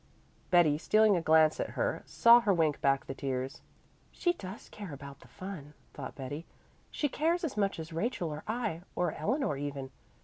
Betty, stealing a glance at her, saw her wink back the tears. "She does care about the fun," thought Betty. "She cares as much as Rachel or I, or Eleanor even.